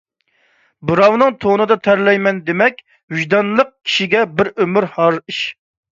بىراۋنىڭ تونىدا تەرلەيمەن دېمەك، ۋىجدانلىق كىشىگە بىر ئۆمۈر ھار ئىش.